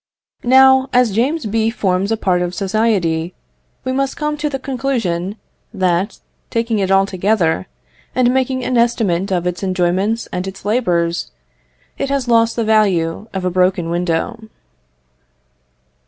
Now, as James B. forms a part of society, we must come to the conclusion, that, taking it altogether, and making an estimate of its enjoyments and its labours, it has lost the value of the broken window.